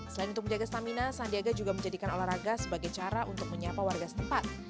selain untuk menjaga stamina sandiaga juga menjadikan olahraga sebagai cara untuk menyapa warga setempat